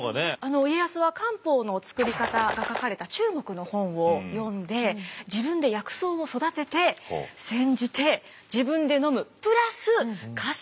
家康は漢方の作り方が書かれた中国の本を読んで自分で薬草を育てて煎じて自分でのむプラス家臣にもあげていたと。